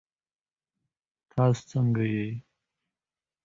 تاسو ځنګه يئ؟